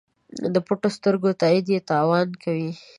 د پټو سترګو تایید یې تاوان کوي.